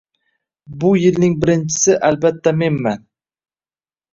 Bu yilning birinchisi albatta menman.